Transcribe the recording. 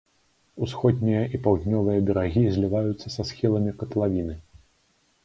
Усходнія і паўднёвыя берагі зліваюцца са схіламі катлавіны.